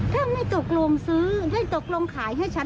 ถ้าไม่ตกลงซื้อได้ตกลงขายให้ฉัน